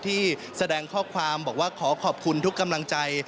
ที่แสดงข้อความบอกว่าขอขอบคุณทุกกำลังใจ